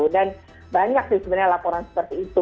dan banyak sih sebenarnya laporan seperti itu